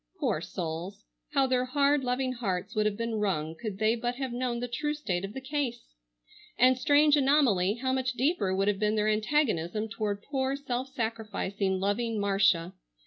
Poor souls! How their hard, loving hearts would have been wrung could they but have known the true state of the case! And, strange anomaly, how much deeper would have been their antagonism toward poor, self sacrificing, loving Marcia!